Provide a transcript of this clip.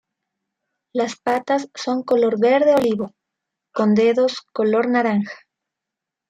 Las patas son color verde olivo, con dedos color naranja.